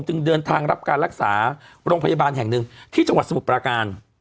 จึงเดินทางรับการรักษาโรงพยาบาลแห่งหนึ่งที่จังหวัดสมุทรปราการ